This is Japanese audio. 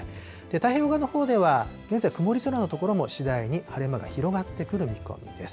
太平洋側のほうでは現在、曇り空の所も次第に晴れ間が広がってくる見込みです。